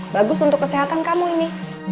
bagus untuk kesehatan kamu ini